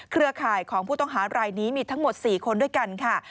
เครือข่ายของผู้ต้องหารายนี้มีทั้งหมด๔คนด้วยกันค่ะ